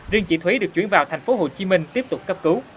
riêng chị thúy được chuyển vào thành phố hồ chí minh tiếp tục cấp cứu